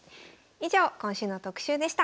以上今週の特集でした。